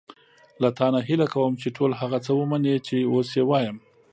له تا نه هیله کوم چې ټول هغه څه ومنې چې اوس یې وایم.